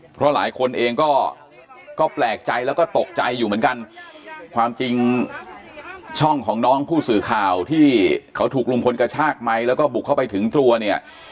เพราะหลายคนเองก็แปลกใจแล้วก็ตกใจอยู่เหมือนกันความจริงช่องของน้องผู้สื่อข่าวที่เขาถูกลุงพลกระชากไมค์แล้วก็บุกเข้าไปถึงตัวเนี่ย